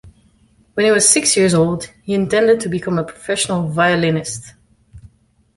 When he was six years old, he intended to become a professional violinist.